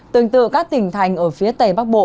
tương tự các tỉnh thành ở phía tây bắc bộ